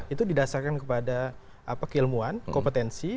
itu didasarkan kepada keilmuan kompetensi